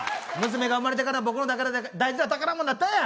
生まれてから僕の中で大事な宝物になったんや。